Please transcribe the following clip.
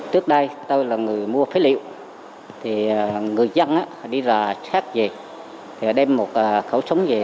trước đây tôi là người mua phế liệu người dân đi ra chát về đem một khẩu sống về